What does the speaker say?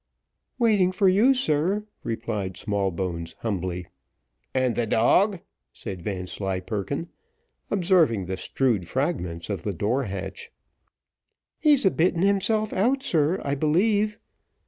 "Waiting for you, sir," replied Smallbones, humbly. "And the dog?" said Vanslyperken, observing the strewed fragments of the door hatch. "He's a bitten himself out, sir, I believe."